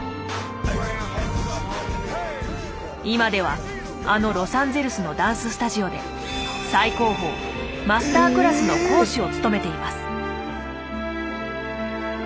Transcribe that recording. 今ではあのロサンゼルスのダンススタジオで最高峰マスタークラスの講師を務めています。